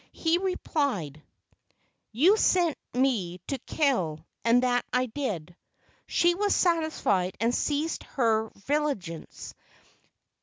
He replied, "You sent me to kill, and that I did." She was satisfied and ceased her vigi¬ lance.